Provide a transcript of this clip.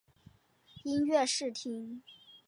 音乐试听